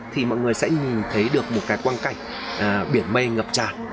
thì mọi người sẽ nhìn thấy được một cái quan cảnh biển mây ngập tràn